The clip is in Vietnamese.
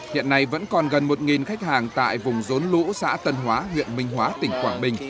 hiện nay vẫn còn gần một khách hàng tại vùng rốn lũ xã tân hóa huyện minh hóa tỉnh quảng bình